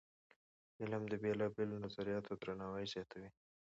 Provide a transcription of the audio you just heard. علم د بېلابېلو نظریاتو درناوی زیاتوي.